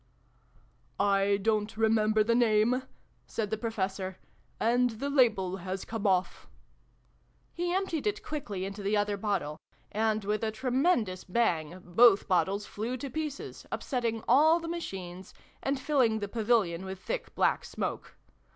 " I don't remember the name" said the Pro fessor : "and the label has come off/' He emptied it quickly into the other bottle, and, xxi] THE PROFESSOR'S LECTURE. 345 with a tremendous bang, both bottles flew to pieces, upsetting all the machines, and filling the Pavilion with thick black smoke.